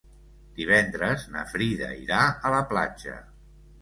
Divendres na Frida irà a la platja.